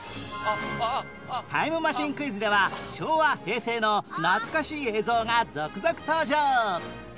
タイムマシンクイズでは昭和平成の懐かしい映像が続々登場！